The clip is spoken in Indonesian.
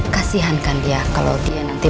kasihan kan dia kalau dia nanti